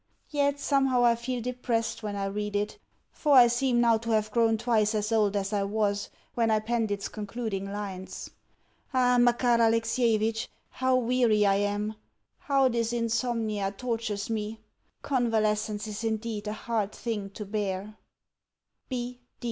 Yet somehow I feel depressed when I read it, for I seem now to have grown twice as old as I was when I penned its concluding lines. Ah, Makar Alexievitch, how weary I am how this insomnia tortures me! Convalescence is indeed a hard thing to bear!